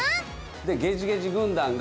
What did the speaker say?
ゲジゲジ軍団が？